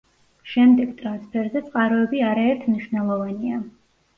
შემდეგ ტრანსფერზე წყაროები არაერთმნიშვნელოვანია.